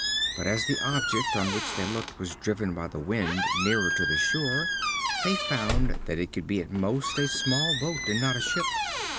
But as the object on which they looked was driven by the wind nearer to the shore, they found that it could at the most be a small boat, and not a ship.